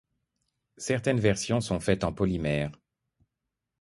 Certaines versions sont faites en polymères.